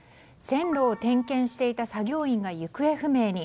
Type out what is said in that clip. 線路を点検していた作業員が行方不明に。